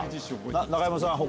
中山さん